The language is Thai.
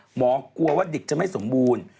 กลัวว่าเด็กจะไม่สมบูรณ์